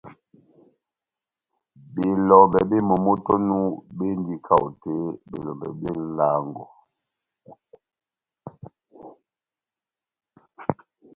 Belɔmbɛ bep momó tɛ́h onu béndini kaho belɔmbɛ bé nʼlángo.